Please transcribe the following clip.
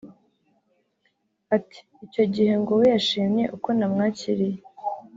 Ati”Icyo gihe ngo we yashimye uko namwakiriye